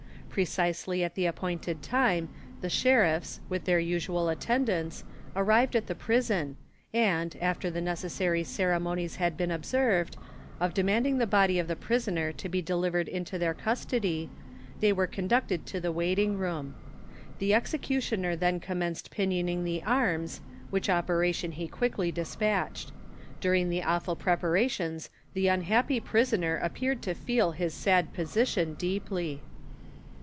Precisely at the appointed time the sheriffs, with their usual attendants, arrived at the prison, and, after the necessary ceremonies had been observed, of demanding the body of the prisoner to be delivered into their custody, they were conducted to the waiting room. The executioner then commenced pinioning the arms, which operation he quickly dispatched. During the awful preparations the unhappy prisoner appeared to feel his sad position deeply.